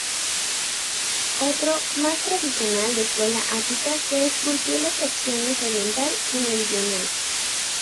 Otro, más tradicional, de escuela ática, que esculpió las secciones oriental y meridional.